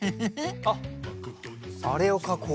あっあれをかこう。